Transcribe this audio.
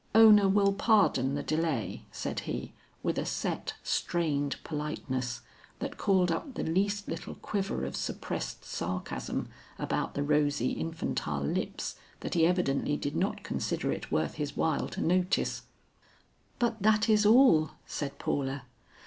"Ona will pardon the delay," said he, with a set, strained politeness that called up the least little quiver of suppressed sarcasm about the rosy infantile lips that he evidently did not consider it worth his while to notice. "But that is all," said Paula.